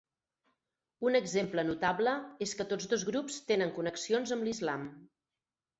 Un exemple notable és que tots dos grups tenen connexions amb l'Islam.